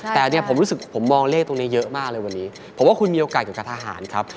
แต่เนี่ยผมรู้สึกผมมองเลขตรงนี้เยอะมากเลยวันนี้ผมว่าคุณมีโอกาสเกี่ยวกับทหารครับ